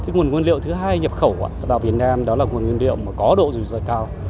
nguồn nguyên liệu thứ hai nhập khẩu vào việt nam đó là nguồn nguyên liệu có độ dù rất là cao